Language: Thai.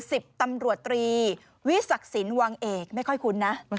สิบตำรวจตรีวิศักดิ์สินวังเอกไม่ค่อยคุ้นนะ